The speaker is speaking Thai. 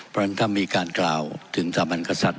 เพราะฉะนั้นถ้ามีการกล่าวถึงสถาบันกษัตริย